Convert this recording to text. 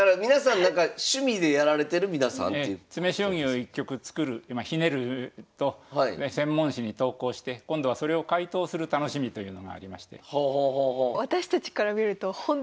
詰将棋を一局作るまあひねると専門誌に投稿して今度はそれを解答する楽しみというのがありまして。